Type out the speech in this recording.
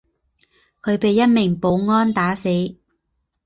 他被一名保安打死。